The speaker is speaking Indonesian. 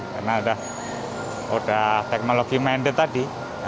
karena udah teknologi mended tadi